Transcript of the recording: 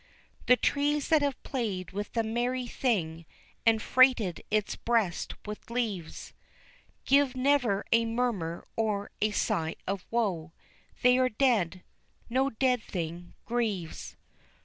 The trees that have played with the merry thing, and freighted its breast with leaves, Give never a murmur or sigh of woe they are dead no dead thing grieves.